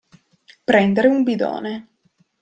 Prendere un bidone.